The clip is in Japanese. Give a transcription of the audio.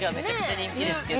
人気ですけど。